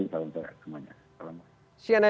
terima kasih pak ustaz